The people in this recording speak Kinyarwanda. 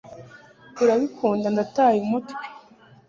Urabikunda Ndataye umutwe